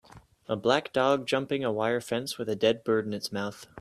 a black dog jumping a wire fence with a dead bird in his mouth